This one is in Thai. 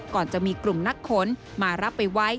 ก่อนจะมีกลุ่มนักขนมารับไปไว้